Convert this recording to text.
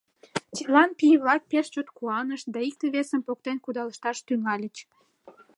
Тидлан пий-влак пеш чот куанышт да икте-весым поктен кудалышташ тӱҥальыч.